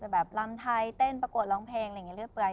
แบบลำไทยเต้นประกวดร้องเพลงอะไรอย่างนี้เรื่อย